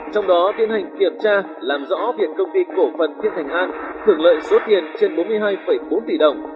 trong đó tiến hành kiểm tra làm rõ việc công ty cổ phần thiên thành an hưởng lợi số tiền trên bốn mươi hai bốn tỷ đồng